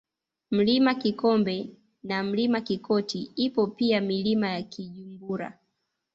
Mlima Kigombe na Mlima Kikoti ipo pia Milima ya Kijumbura